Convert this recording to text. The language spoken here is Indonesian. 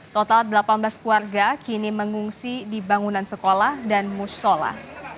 total delapan belas keluarga kini mengungsi di bangunan sekolah dan musola